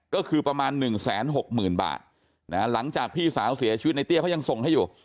ก็คือประมาณหนึ่งแสนหกหมื่นบาทหลังจากพี่สาวเสียชีวิตในเตี้ยเขายังส่งให้อยู่